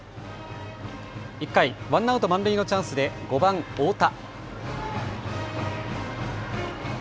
１回、ワンアウト満塁のチャンスで５番・太田。